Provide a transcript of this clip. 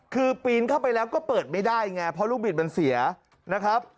คือปีนเข้าไปแล้วก็เปิดไม่ได้ไงเพราะลูกบิดมันเสียนะครับ